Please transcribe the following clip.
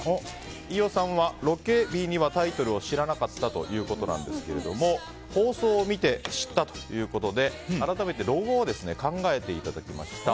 飯尾さんは、ロケ日にはタイトルを知らなかったということですが放送を見て、知ったということで改めてロゴを考えていただきました。